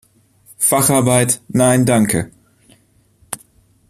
Facharbeit, nein danke.